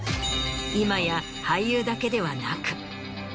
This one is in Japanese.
今や俳優だけではなく。